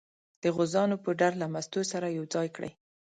د غوزانو پوډر له مستو سره یو ځای کړئ.